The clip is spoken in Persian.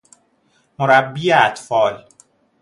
مربی اطفال